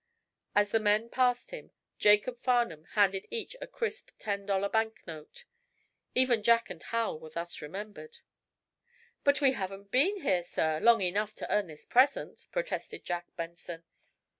As the men passed him, Jacob Farnum handed each a crisp ten dollar banknote. Even Jack and Hal were thus remembered. "But we haven't been here, sir, long enough to earn this present," protested Jack Benson.